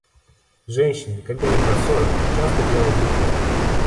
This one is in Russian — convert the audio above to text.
Женщины, когда им под сорок, часто делают глупости.